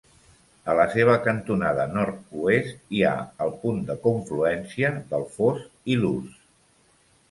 A la seva cantonada nord-oest hi ha el punt de confluència del Foss i l'Ouse.